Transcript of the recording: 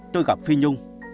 tôi gặp phi nhung